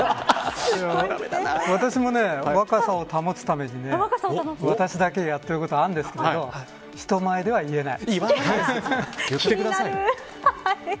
私も若さを保つために私だけがやってることがあるんですけど人前では言えない。